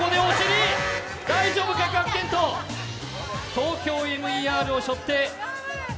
「ＴＯＫＹＯＭＥＲ」を背負って。